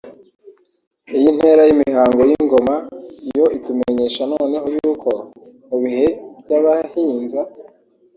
Iyi ntera y’imihango y’ingoma yo itumenyesha noneho yuko mu bihe by’Abahinza